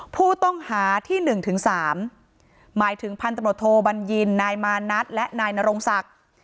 ผู้ต้องหาที่๑๓หมายถึงพันตำรวจโทบัญญินนายมานัทและนายนรงศักดิ์